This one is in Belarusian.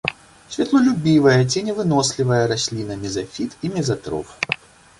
Святлолюбівая, ценевынослівая расліна, мезафіт і мезатроф.